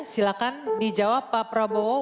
silahkan dijawab pak prabowo